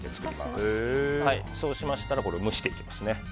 そうしましたらこれを蒸していきます。